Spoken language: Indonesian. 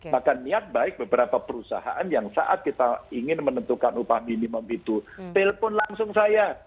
maka niat baik beberapa perusahaan yang saat kita ingin menentukan upah minimum itu telpon langsung saya